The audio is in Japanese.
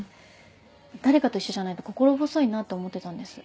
誰かと一緒じゃないと心細いなと思ってたんです。